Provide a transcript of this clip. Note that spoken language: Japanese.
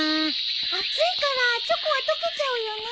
暑いからチョコは溶けちゃうよね。